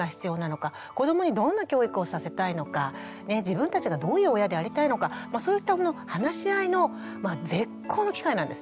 子どもにどんな教育をさせたいのか自分たちがどういう親でありたいのかそういったもの話し合いの絶好の機会なんですね。